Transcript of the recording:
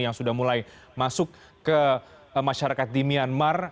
yang sudah mulai masuk ke masyarakat di myanmar